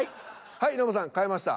はいノブさん変えました。